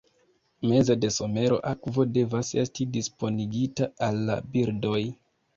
Meze de somero, akvo devas esti disponigita al la birdoj.